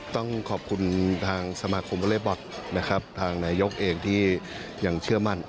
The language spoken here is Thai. ต้องขอบคุณทางสมาคมเวลบอททางนายกเอกที่ยังเชื่อมั่น